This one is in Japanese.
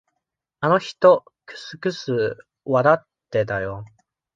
あの人、くすくす笑ってたよ。